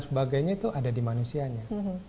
sebagainya itu ada di manusianya